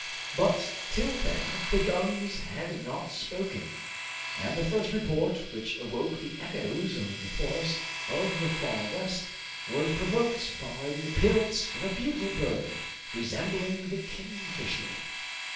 But till then the guns had not spoken, and the first report which awoke the echoes of the forest of the Far West was provoked by the appearance of a beautiful bird, resembling the kingfisher.